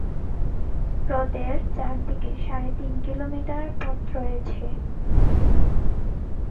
হ্রদের চারদিকে সাড়ে তিন কিলোমিটার পথ রয়েছে।